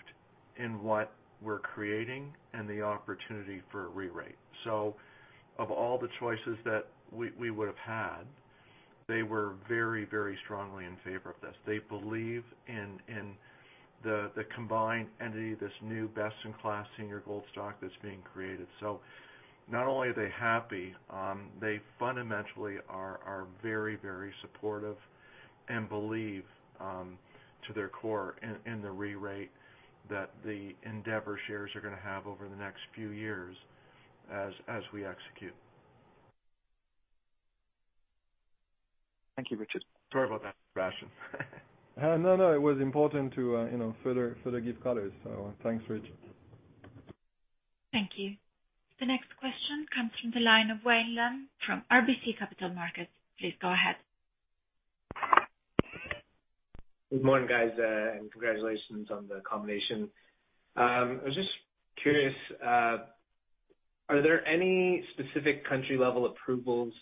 Speaker 3: in what we're creating and the opportunity for a rerate. Of all the choices that we would have had, they were very strongly in favor of this. They believe in the combined entity, this new best-in-class senior gold stock that's being created. Not only are they happy, they fundamentally are very supportive and believe, to their core, in the rerate that the Endeavour shares are going to have over the next few years as we execute.
Speaker 6: Thank you, Richard.
Speaker 3: Sorry about that, Sébastien.
Speaker 2: No. It was important to further give colors, so thanks, Richard.
Speaker 1: Thank you. The next question comes from the line of Wayne Lam from RBC Capital Markets. Please go ahead.
Speaker 7: Good morning, guys, and congratulations on the combination. I was just curious, are there any specific country-level approvals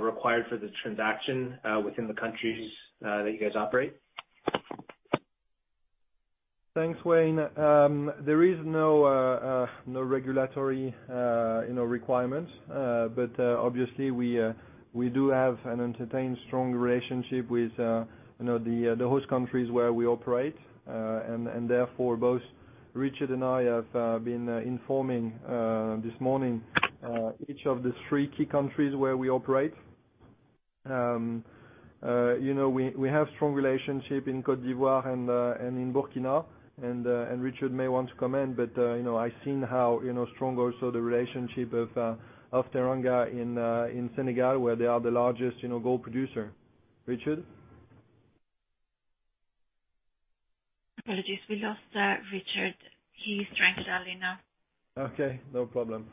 Speaker 7: required for the transaction within the countries that you guys operate?
Speaker 2: Thanks, Wayne. There is no regulatory requirements. Obviously we do have and entertain strong relationship with the host countries where we operate. Therefore, both Richard and I have been informing this morning each of the three key countries where we operate. We have strong relationship in Côte d'Ivoire and in Burkina. Richard may want to comment, but I've seen how strong also the relationship of Teranga in Senegal, where they are the largest gold producer. Richard?
Speaker 1: Apologies, we lost Richard. He's trying to dial in now. Okay, no problem.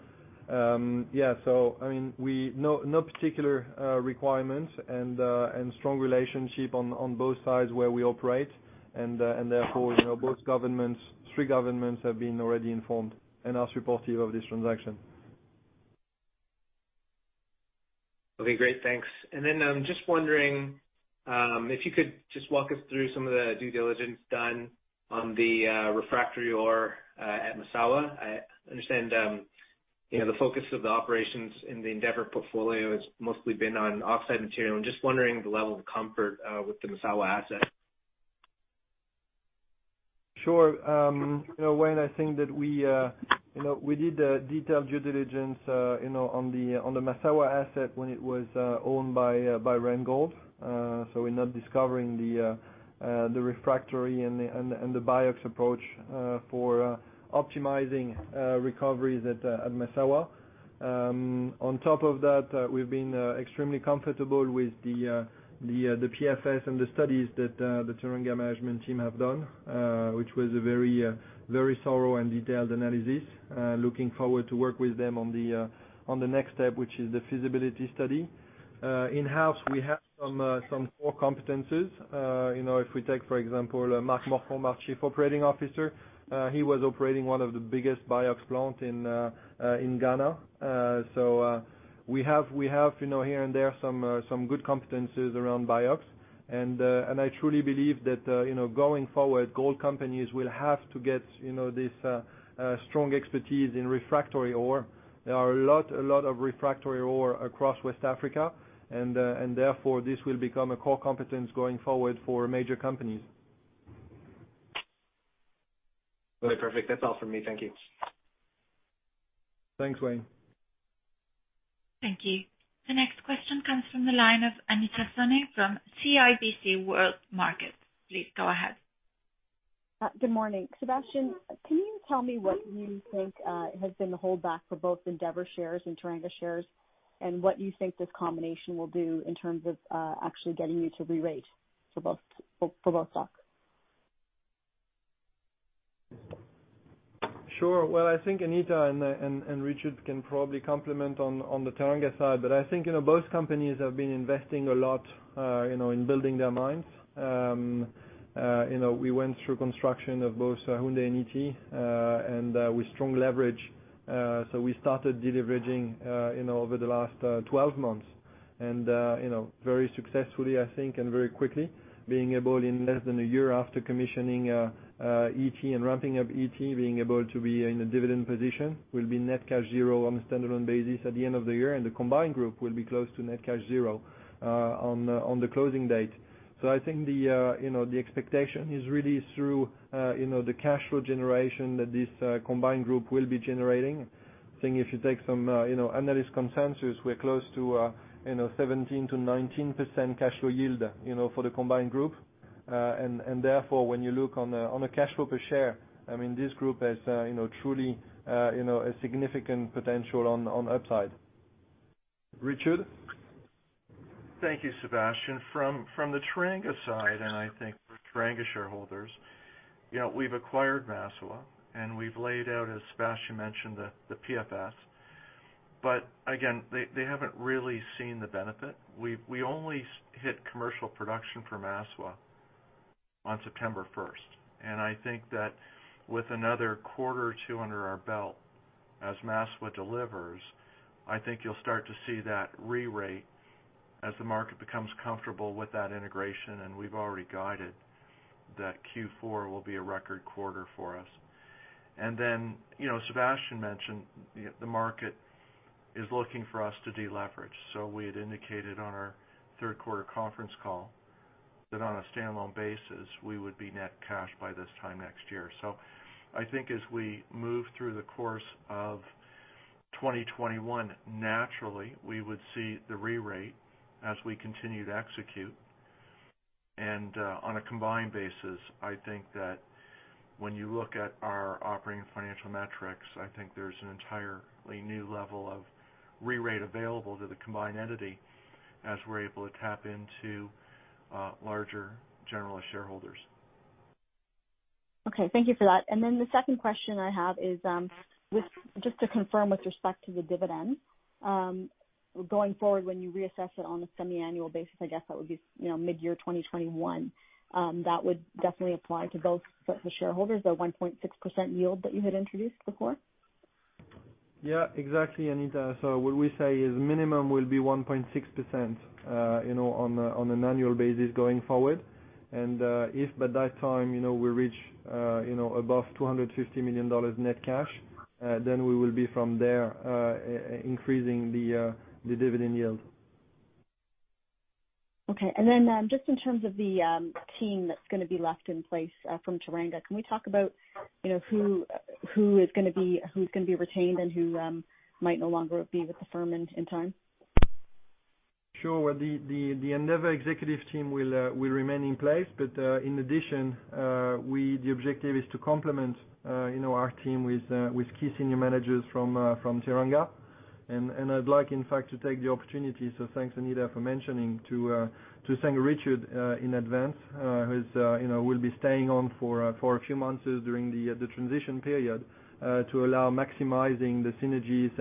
Speaker 1: No particular requirements and strong relationship on both sides where we operate. Therefore both governments, three governments have been already informed and are supportive of this transaction.
Speaker 7: Okay, great. Thanks. Then I'm just wondering if you could just walk us through some of the due diligence done on the refractory ore at Massawa. I understand the focus of the operations in the Endeavour portfolio has mostly been on oxide material. I'm just wondering the level of comfort with the Massawa asset.
Speaker 2: Sure. Wayne, I think that we did a detailed due diligence on the Massawa asset when it was owned by Randgold. We're not discovering the refractory and the BIOX approach for optimizing recoveries at Massawa. On top of that, we've been extremely comfortable with the PFS and the studies that the Teranga management team have done, which was a very thorough and detailed analysis. We are looking forward to work with them on the next step, which is the feasibility study. In-house, we have some core competencies. If we take, for example, Mark Morcombe, our Chief Operating Officer, he was operating one of the biggest BIOX plant in Ghana. We have, here and there, some good competencies around BIOX. I truly believe that going forward, gold companies will have to get this strong expertise in refractory ore. There are a lot of refractory ore across West Africa, and therefore this will become a core competence going forward for major companies.
Speaker 7: Okay, perfect. That's all for me. Thank you.
Speaker 2: Thanks, Wayne.
Speaker 1: Thank you. The next question comes from the line of Anita Soni from CIBC World Markets. Please go ahead.
Speaker 8: Good morning. Sébastien, can you tell me what you think has been the holdback for both Endeavour shares and Teranga shares, and what you think this combination will do in terms of actually getting you to rerate for both stocks?
Speaker 2: Sure. I think Anita and Richard can probably complement on the Teranga side, but I think both companies have been investing a lot in building their mines. We went through construction of both Houndé and Ity, with strong leverage. We started deleveraging over the last 12 months and very successfully, I think, and very quickly, being able in less than a year after commissioning Ity and ramping up Ity, being able to be in a dividend position. We'll be net cash zero on a standalone basis at the end of the year, the combined group will be close to net cash zero on the closing date. I think the expectation is really through the cash flow generation that this combined group will be generating. I think if you take some analyst consensus, we're close to 17%-19% cash flow yield for the combined group. Therefore, when you look on a cash flow per share, this group has truly a significant potential on upside. Richard?
Speaker 3: Thank you, Sébastien. From the Teranga side, and I think for Teranga shareholders, we've acquired Massawa, and we've laid out, as Sébastien mentioned, the PFS. But again, they haven't really seen the benefit. We only hit commercial production for Massawa on September 1st. I think that with another quarter or two under our belt as Massawa delivers, I think you'll start to see that rerate as the market becomes comfortable with that integration, and we've already guided that Q4 will be a record quarter for us. Then, Sébastien mentioned the market is looking for us to deleverage. We had indicated on our third quarter conference call that on a standalone basis, we would be net cash by this time next year. I think as we move through the course of 2021, naturally we would see the rerate as we continue to execute. On a combined basis, I think that when you look at our operating financial metrics, I think there's an entirely new level of rerate available to the combined entity as we're able to tap into larger general shareholders.
Speaker 8: Okay, thank you for that. The second question I have is just to confirm with respect to the dividend. Going forward when you reassess it on a semi-annual basis, I guess that would be mid-year 2021. That would definitely apply to both the shareholders, the 1.6% yield that you had introduced before?
Speaker 2: Yeah, exactly, Anita. What we say is minimum will be 1.6% on an annual basis going forward. If by that time we reach above $250 million net cash, then we will be from there increasing the dividend yield.
Speaker 8: Okay. Just in terms of the team that's going to be left in place from Teranga, can we talk about who's going to be retained and who might no longer be with the firm in time?
Speaker 2: Sure. The Endeavour executive team will remain in place. In addition, the objective is to complement our team with key senior managers from Teranga. I'd like, in fact, to take the opportunity, so thanks, Anita, for mentioning, to thank Richard in advance, who will be staying on for a few months during the transition period to allow maximizing the synergies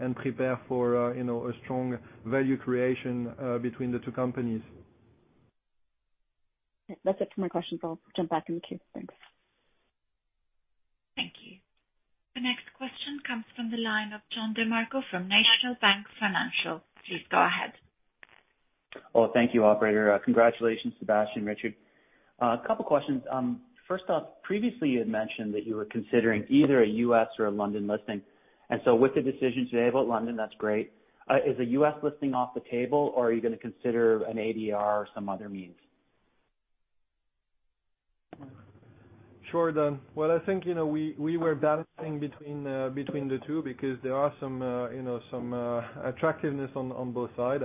Speaker 2: and prepare for a strong value creation between the two companies.
Speaker 8: That's it for my questions. I'll jump back in the queue. Thanks.
Speaker 1: Thank you. The next question comes from the line of Don DeMarco from National Bank Financial. Please go ahead.
Speaker 9: Well, thank you, operator. Congratulations, Sébastien, Richard. A couple questions. First off, previously you had mentioned that you were considering either a U.S. or a London listing. With the decision today about London, that's great. Is the U.S. listing off the table, or are you going to consider an ADR or some other means?
Speaker 2: Sure, Don. Well, I think we were balancing between the two because there are some attractiveness on both sides.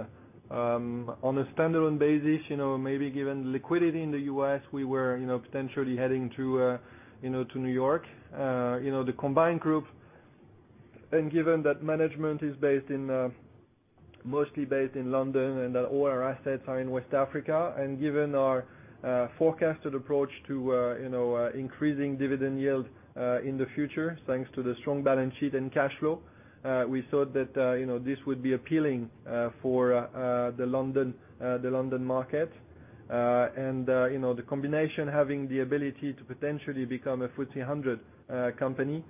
Speaker 2: On a standalone basis, maybe given liquidity in the U.S., we were potentially heading to New York. The combined group, given that management is mostly based in London and that all our assets are in West Africa, and given our forecasted approach to increasing dividend yield in the future, thanks to the strong balance sheet and cash flow, we thought that this would be appealing for the London market. The combination having the ability to potentially become a FTSE 100 company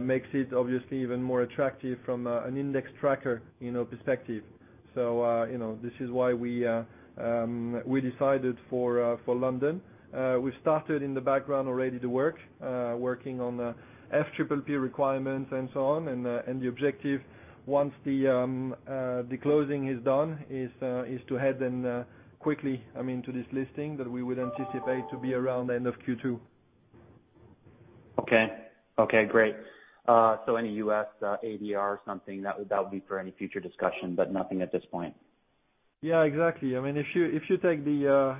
Speaker 2: makes it obviously even more attractive from an index tracker perspective. This is why we decided for London. We started in the background already to work, working on FPPP requirements and so on. The objective, once the closing is done, is to head then quickly to this listing that we would anticipate to be around end of Q2.
Speaker 9: Okay. Okay, great. Any U.S. ADR or something, that would be for any future discussion, but nothing at this point.
Speaker 2: Yeah, exactly. If you take the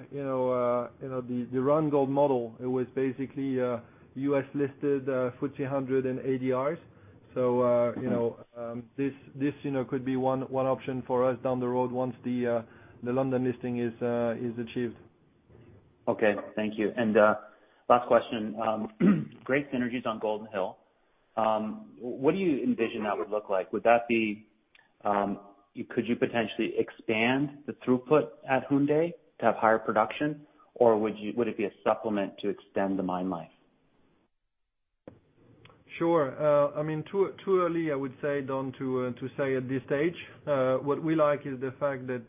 Speaker 2: Randgold model, it was basically a U.S.-listed FTSE 100 and ADRs. This could be one option for us down the road once the London listing is achieved.
Speaker 9: Okay. Thank you. Last question, great synergies on Golden Hill. What do you envision that would look like? Could you potentially expand the throughput at Houndé to have higher production, or would it be a supplement to extend the mine life?
Speaker 2: Sure. Too early, I would say, Don, to say at this stage. What we like is the fact that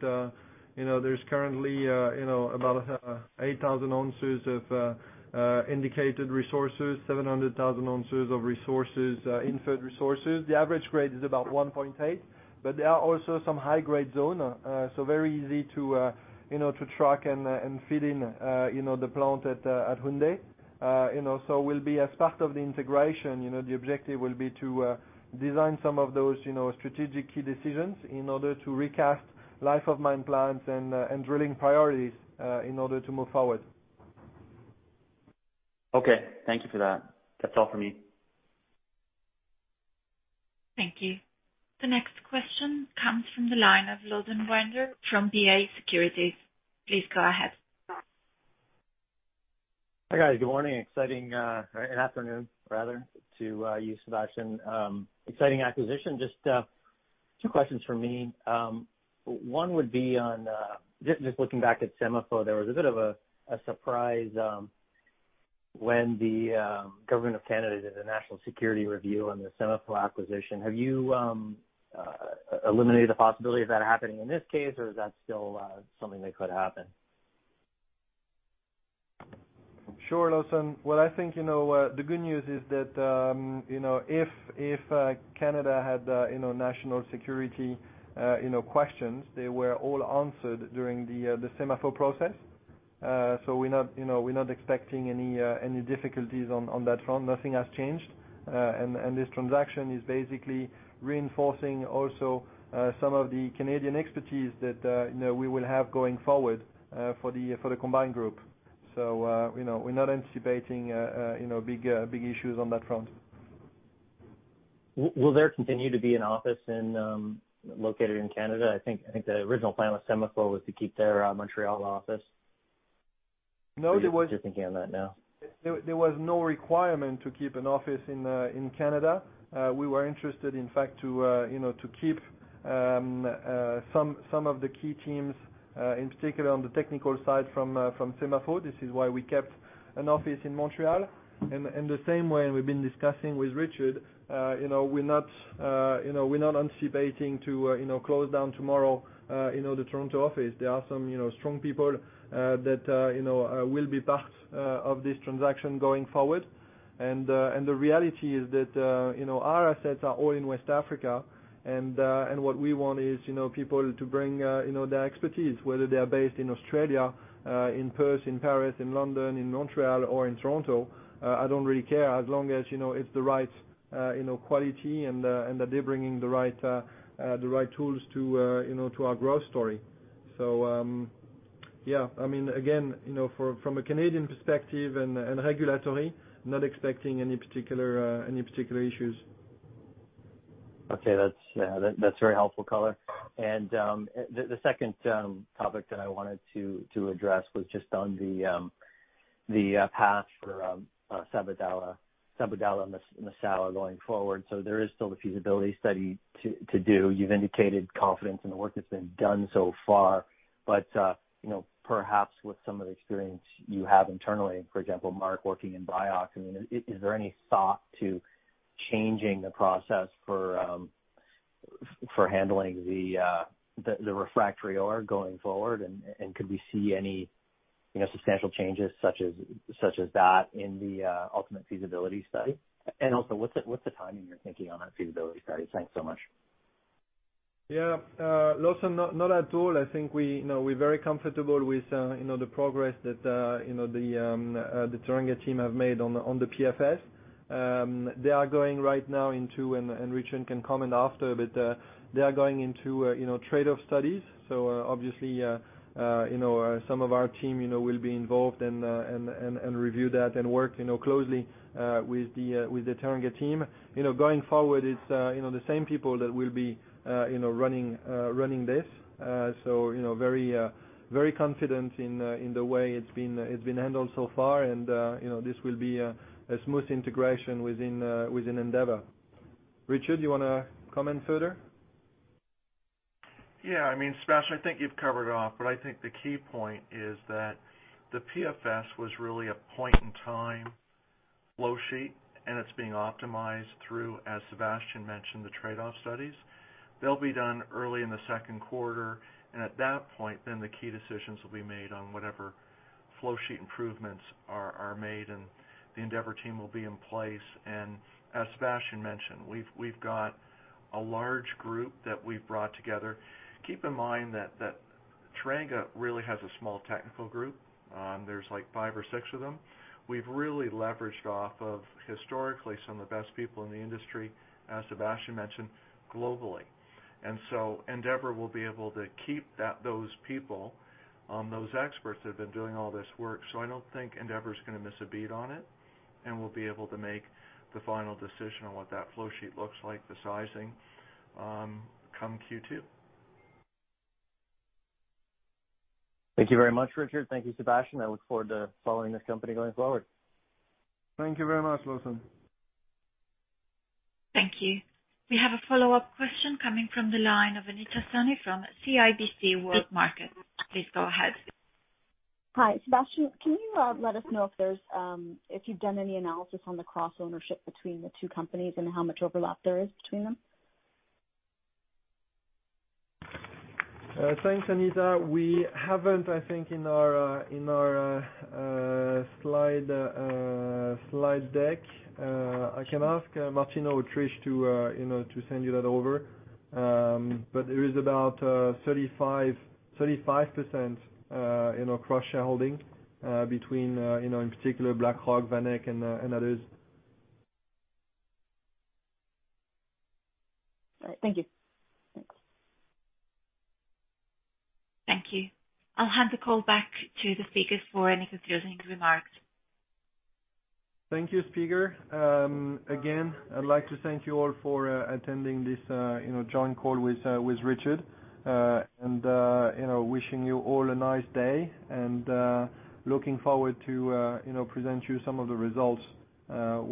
Speaker 2: there's currently about 8,000 ounces of indicated resources, 700,000 ounces of resources, inferred resources. The average grade is about 1.8. There are also some high-grade zone, so very easy to track and feed in the plant at Houndé. As part of the integration, the objective will be to design some of those strategic key decisions in order to recast life of mine plans and drilling priorities in order to move forward.
Speaker 9: Okay, thank you for that. That's all for me.
Speaker 1: Thank you. The next question comes from the line of Lawson Winder from BofA Securities. Please go ahead.
Speaker 10: Hi, guys. Good morning, and afternoon, rather, to you, Sébastien. Exciting acquisition. Just two questions from me. One would be on, just looking back at SEMAFO, there was a bit of a surprise when the government of Canada did the national security review on the SEMAFO acquisition. Have you eliminated the possibility of that happening in this case, or is that still something that could happen?
Speaker 2: Sure, Lawson. What I think the good news is that if Canada had national security questions, they were all answered during the SEMAFO process. We're not expecting any difficulties on that front. Nothing has changed. This transaction is basically reinforcing also some of the Canadian expertise that we will have going forward for the combined group. We're not anticipating big issues on that front.
Speaker 10: Will there continue to be an office located in Canada? I think the original plan with SEMAFO was to keep their Montreal office.
Speaker 2: No,
Speaker 10: You're just thinking on that now?
Speaker 2: There was no requirement to keep an office in Canada. We were interested, in fact, to keep some of the key teams, in particular, on the technical side from SEMAFO. This is why we kept an office in Montreal. The same way, and we've been discussing with Richard, we're not anticipating to close down tomorrow the Toronto office. There are some strong people that will be part of this transaction going forward. The reality is that our assets are all in West Africa, and what we want is people to bring their expertise, whether they are based in Australia, in Perth, in Paris, in London, in Montreal, or in Toronto. I don't really care, as long as it's the right quality and that they're bringing the right tools to our growth story. Yeah. Again, from a Canadian perspective and regulatory, not expecting any particular issues.
Speaker 10: Okay. That's very helpful color. The second topic that I wanted to address was just on the path for Sabodala-Massawa going forward. There is still the feasibility study to do. You've indicated confidence in the work that's been done so far. Perhaps with some of the experience you have internally, for example, Mark working in BIOX, is there any thought to changing the process for handling the refractory ore going forward? Could we see any substantial changes such as that in the ultimate feasibility study? Also, what's the timing you're thinking on that feasibility study? Thanks so much.
Speaker 2: Yeah. Lawson, not at all. I think we're very comfortable with the progress that the Teranga team have made on the PFS. They are going right now into, and Richard can comment after, but they are going into trade-off studies. Obviously, some of our team will be involved and review that and work closely with the Teranga team. Going forward, it's the same people that will be running this. Very confident in the way it's been handled so far and this will be a smooth integration within Endeavour. Richard, you want to comment further?
Speaker 3: Yeah, Sébastien, I think you've covered it off. I think the key point is that the PFS was really a point-in-time flow sheet, and it's being optimized through, as Sébastien mentioned, the trade-off studies. They'll be done early in the second quarter, and at that point, the key decisions will be made on whatever flow sheet improvements are made, and the Endeavour team will be in place. As Sébastien mentioned, we've got a large group that we've brought together. Keep in mind that Teranga really has a small technical group. There's five or six of them. We've really leveraged off of, historically, some of the best people in the industry, as Sébastien mentioned, globally. Endeavour will be able to keep those people, those experts that have been doing all this work. I don't think Endeavour's going to miss a beat on it, and we'll be able to make the final decision on what that flow sheet looks like, the sizing, come Q2.
Speaker 10: Thank you very much, Richard. Thank you, Sébastien. I look forward to following this company going forward.
Speaker 2: Thank you very much, Lawson.
Speaker 1: Thank you. We have a follow-up question coming from the line of Anita Soni from CIBC World Markets. Please go ahead.
Speaker 8: Hi. Sébastien, can you let us know if you've done any analysis on the cross-ownership between the two companies and how much overlap there is between them?
Speaker 2: Thanks, Anita. We haven't, I think, in our slide deck. I can ask Martino or Trish to send you that over. There is about 35% cross-shareholding between, in particular, BlackRock, VanEck, and others.
Speaker 8: All right. Thank you. Thanks.
Speaker 1: Thank you. I will hand the call back to the speakers for any closing remarks.
Speaker 2: Thank you, speaker. Again, I’d like to thank you all for attending this joint call with Richard. Wishing you all a nice day, and looking forward to present you some of the results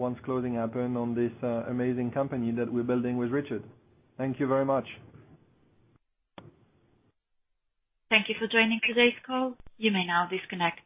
Speaker 2: once closing happened on this amazing company that we’re building with Richard. Thank you very much.
Speaker 1: Thank you for joining today's call. You may now disconnect.